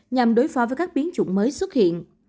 nhằm đối phó với các biến chủng mới xuất hiện